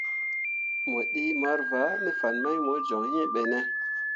Mo ɗii marvǝǝ te fan mai mo joŋ iŋ ɓene ?